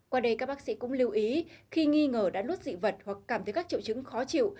qua đây các bác sĩ cũng lưu ý khi nghi ngờ đã nuốt dị vật hoặc cảm thấy các triệu chứng khó chịu